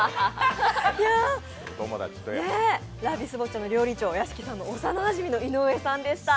ラ・ビスボッチャの料理長、屋敷さんの幼なじみの井上さんでした。